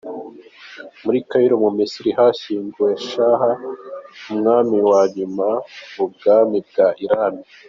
Muri Cairo mu Misiri hashyinguwe Shah , umwami wa nyuma w’ubwami bwa Iran.